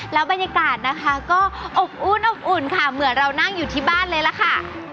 แล้วบรรยากาศนะคะก็อบอุ้นอบอุ่นค่ะเหมือนเรานั่งอยู่ที่บ้านเลยล่ะค่ะ